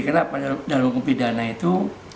karena dalam hukum pidana itu